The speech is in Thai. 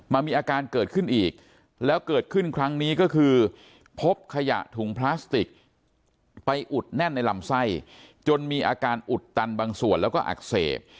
มันมีอาการเกิดขึ้นอีกแล้วเกิดขึ้นครั้งนี้ก็คือพบขยะถุงพลาสติกไปอุดแน่นในลำไส้จนมีอาการอุดตันบางส่วนแล้วก็อักเสบ